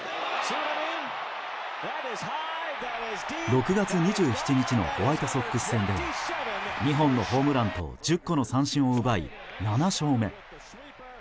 ６月２７日のホワイトソックス戦では２本のホームランと１０個の三振を奪い７勝目。